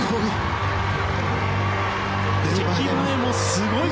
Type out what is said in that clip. すごい。